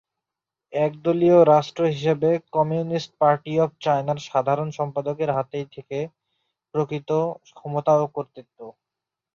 একদলীয় রাষ্ট্র হিসেবে কম্যুনিস্ট পার্টি অব চায়নার সাধারণ সম্পাদকের হাতেই থাকে প্রকৃত ক্ষমতা ও কর্তৃত্ব।